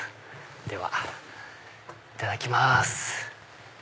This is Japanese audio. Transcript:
ではいただきます。